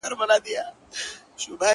د ليونتوب ياغي، باغي ژوند مي په کار نه راځي.